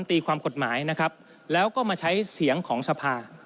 ตีความกฎหมายนะครับแล้วก็มาใช้เสียงของสภา